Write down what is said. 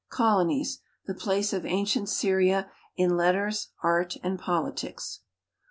Colonies. The place of ancient Syria in letters, art, and politics.